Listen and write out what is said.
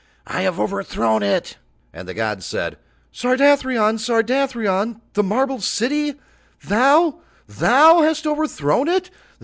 I have overthrown it!" And the gods said: "Sardathrion? Sardathrion, the marble city? Thou, thou hast overthrown it?